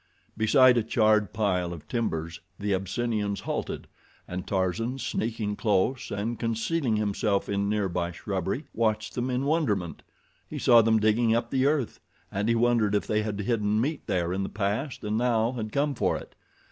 Beside a charred pile of timbers the Abyssinians halted, and Tarzan, sneaking close and concealing himself in nearby shrubbery, watched them in wonderment. He saw them digging up the earth, and he wondered if they had hidden meat there in the past and now had come for it.